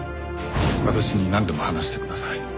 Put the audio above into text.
私になんでも話してください。